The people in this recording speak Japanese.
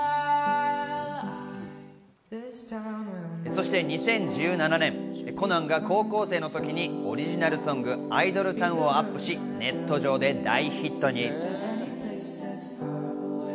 そして２０１７年、コナンが高校生の時にオリジナルソング『ＩｄｌｅＴｏｗｎ』をアップし、ネット上で大ヒットに。